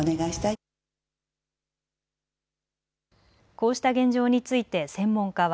こうした現状について専門家は。